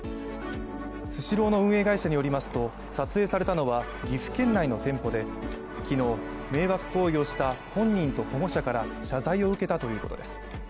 スシローの運営会社によりますと撮影されたのは岐阜県内の店舗で昨日、迷惑行為をした本人と保護者から謝罪を受けたということです。